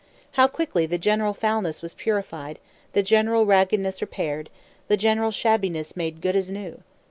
How quickly the general foulness was purified, the general raggedness repaired, the general shabbiness made "good as new"!